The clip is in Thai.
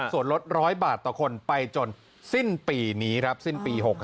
ส่วนลด๑๐๐บาทต่อคนไปจนสิ้นปีนี้ครับสิ้นปี๖๕